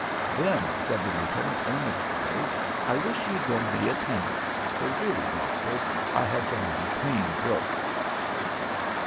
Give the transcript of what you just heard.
"Then," said the lieutenant, earnestly, "I wish you'd lend me a tenner, for really, doctor, I have gone clean broke."